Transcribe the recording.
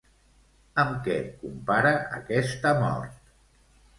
Amb què compara aquesta mort?